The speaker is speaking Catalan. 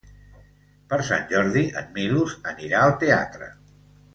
Per Sant Jordi en Milos anirà al teatre.